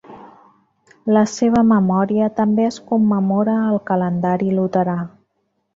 La seva memòria també es commemora al calendari luterà.